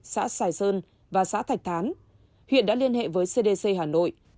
xã sài sơn và xã thạch thán huyện đã liên hệ với cdc hà nội